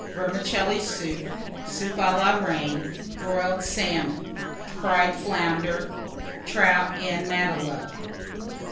Vermicelli Soup. Soup à la Reine. Boiled Salmon. Fried Flounders. Trout en Matelot.